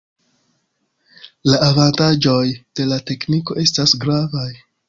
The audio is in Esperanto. La avantaĝoj de la tekniko estas gravaj.